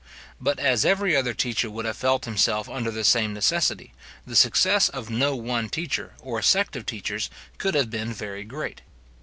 But as every other teacher would have felt himself under the same necessity, the success of no one teacher, or sect of teachers, could have been very great.